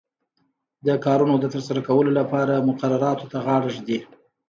د کارونو د ترسره کولو لپاره مقرراتو ته غاړه ږدي.